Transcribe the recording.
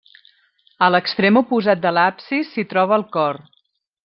A l'extrem oposat de l'absis s'hi troba el cor.